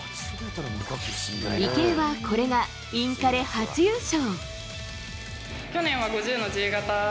池江はこれがインカレ初優勝。